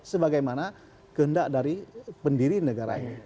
sebagai mana kehendak dari pendiri negara ini